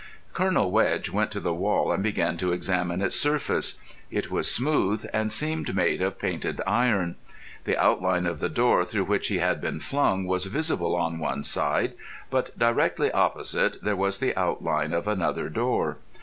Colonel Wedge went to the wall and began to examine its surface. It was smooth, and seemed made of painted iron. The outline of the door through which he had been flung was visible on one side, but directly opposite there was the outline of another door.